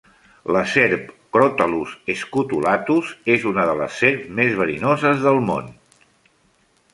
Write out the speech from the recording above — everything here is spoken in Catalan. La serp Crotalus scutulatus és una de les serps més verinoses del món.